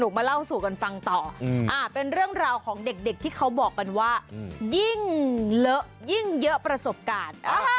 มาเล่าสู่กันฟังต่อเป็นเรื่องราวของเด็กที่เขาบอกกันว่ายิ่งเลอะยิ่งเยอะประสบการณ์